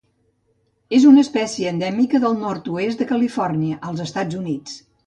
És una espècie endèmica del nord-oest de Califòrnia als Estats Units.